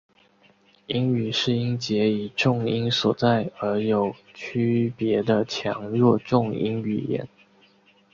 英语是音节以重音所在而有区别的强弱重音语言。